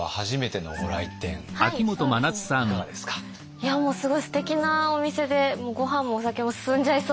いやもうすごいすてきなお店でごはんもお酒も進んじゃいそうな。